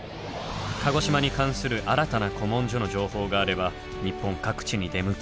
鹿児島に関する新たな古文書の情報があれば日本各地に出向き撮影。